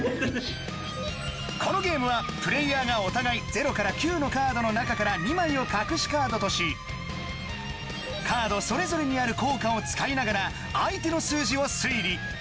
このゲームはプレーヤーがお互い０から９のカードの中から２枚を隠しカードとしカードそれぞれにある効果を使いながら相手の数字を推理。